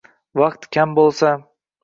Vaqt kam bo’lsa